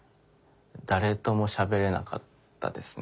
誰ともしゃべれなかったですね。